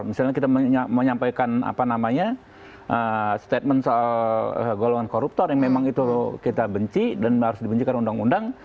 misalnya kita menyampaikan apa namanya statement soal golongan koruptor yang memang itu kita benci dan harus dibencikan undang undang